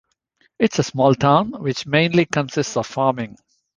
It is a small town, which mainly consists of farming.